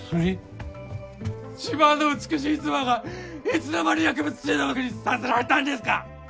自慢の美しい妻がいつの間に薬物中毒にさせられたんですか？